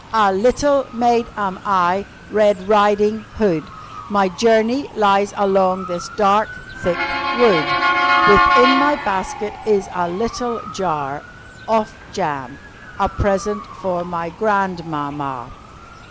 "A little maid am I Red Riding Hood. My journey lies along this dark, thick wood. Within my basket is a little jar Of jam a present for my grand mamma."